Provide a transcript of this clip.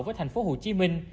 với thành phố hồ chí minh